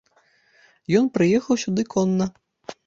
Ён прыехаў сюды конна.